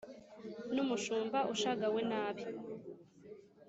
N'Umushumba ushagawe n'abe